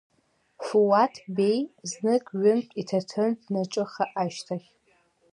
Фуаҭ Беи знык ҩынтә иҭаҭын данаҿыха ашьҭахь…